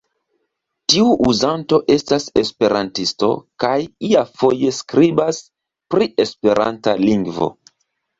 Tiu uzanto estas esperantisto kaj iafoje skribas pri esperanta lingvo.